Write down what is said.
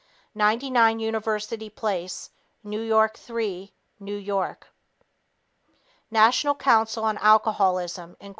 99 University Place New York 3, New York National Council on Alcoholism, Inc.